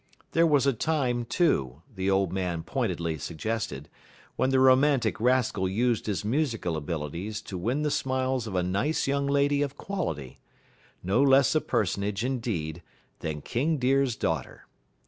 There was a time, too, the old man pointedly suggested, when the romantic rascal used his musical abilities to win the smiles of a nice young lady of quality no less a personage, indeed, than King Deer's daughter.